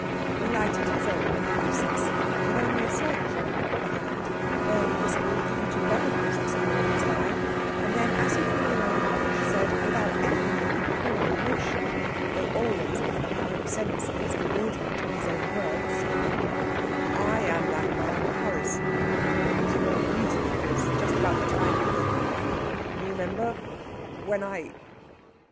He lighted his own in the recess, with only a slight tremor of the hand, barely visible even to Vereker's experienced eye; and then, as he threw away the match, said, without anything that could be called emotion, though always with an apparent sense of his bewilderment at his own words: "I am that man Harrisson that was in all the newspapers just about the time of the you remember when I...."